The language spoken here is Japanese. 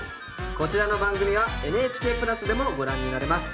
こちらの番組はＮＨＫプラスでもご覧になれます。